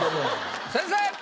先生！